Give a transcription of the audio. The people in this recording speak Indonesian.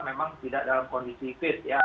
memang tidak dalam kondisi fit ya